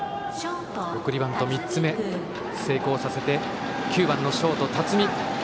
送りバント３つ目成功させてバッターは９番ショート、辰己。